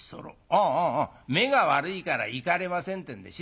ああああ目が悪いから行かれませんってんで知らしてきたんだ。